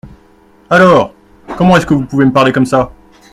Alors ! Comment est-ce que vous pouvez me parlez comme ça ?